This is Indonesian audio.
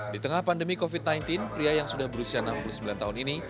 di tengah pandemi covid sembilan belas pria yang sudah berusia enam puluh sembilan tahun ini